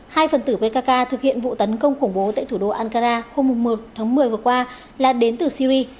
hai phần tử pkk thực hiện vụ tấn công khủng bố tại thủ đô ankara hôm một tháng một mươi vừa qua là đến từ syri